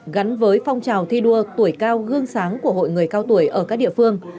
gắn với phong trào thi đua tuổi cao gương sáng của hội người cao tuổi ở các địa phương